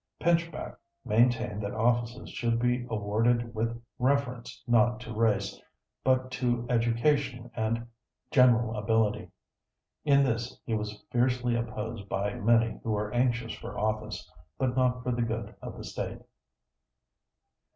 Pinchback maintained that offices should be awarded with reference not to race, but to education and general ability. In this he was fiercely opposed by many who were anxious for office, but not for the good of the State.